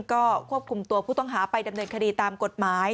ก็ควบคุมตัวผู้ต้องหาไปดำเนินคดีตามกฎหมาย